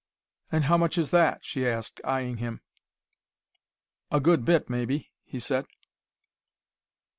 "And how much is that?" she asked, eying him. "A good bit, maybe," he said.